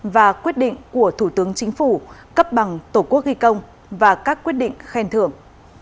và quyết định của thủ tướng chính phủ cấp bằng tổ quốc ghi công và các quyết định khen thưởng